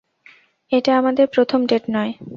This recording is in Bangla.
এটা আমাদের প্রথম ডেট নয়।